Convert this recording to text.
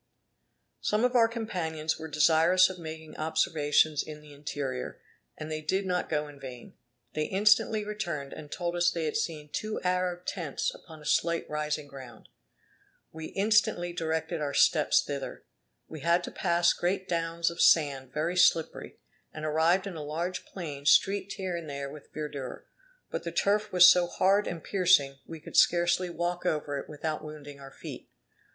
Some of our companions were desirous of making observations in the interior, and they did not go in vain. They instantly returned, and told us they had seen two Arab tents upon a slight rising ground. We instantly directed our steps thither. We had to pass great downs of sand very slippery, and arrived in a large plain streaked here and there with verdure; but the turf was so hard and piercing, we could scarcely walk over it without wounding our feet.